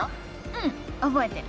うん覚えてる！